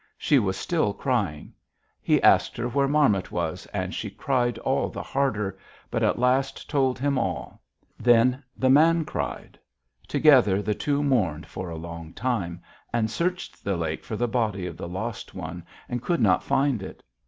She was still crying. He asked her where Marmot was, and she cried all the harder, but at last told him all. Then the man cried. Together the two mourned for a long time, and searched the lake for the body of the lost one, and could not find it.